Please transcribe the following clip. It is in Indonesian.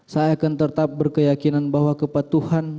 saya akan tetap berkeyakinan bahwa kepada tuhan